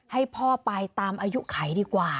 ให้พ่อปลายตามอายุใครดีกว่า